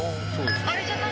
あれじゃない？